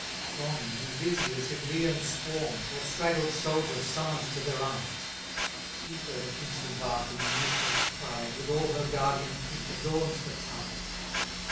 Thronging and busy as Hyblaean swarms, Or straggled soldiers summon'd to their arms, See where the princely bark in loosest pride, With all her guardian fleet, adorns the tide!